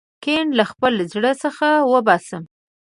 کین له خپل زړه څخه وباسم.